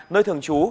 nơi thường trú